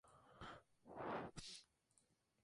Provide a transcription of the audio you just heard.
Por lo que ella tuvo tres hijos, una niña y dos niños.